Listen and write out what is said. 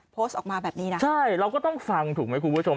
โพสต์ออกมาแบบนี้นะใช่เราก็ต้องฟังถูกไหมคุณผู้ชม